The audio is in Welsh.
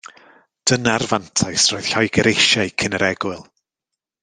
Dyna'r fantais roedd Lloegr eisiau cyn yr egwyl